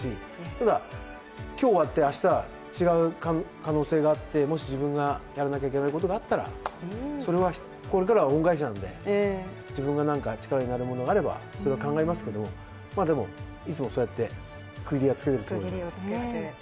ただ、今日終わって、明日違う可能性があって、もし自分がやらなきゃいけないことがあったらそれはこれからは恩返しなんで自分が力になるものがあればそれは考えますけど、でも、いつもそうやって区切りをつけているつもりです。